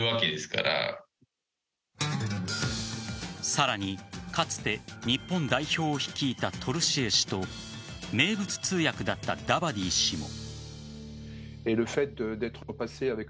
さらにかつて日本代表を率いたトルシエ氏と名物通訳だったダバディ氏も。